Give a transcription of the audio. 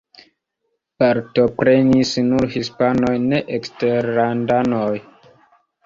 Partoprenis nur hispanoj, ne eksterlandanoj.